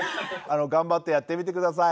頑張ってやってみて下さい。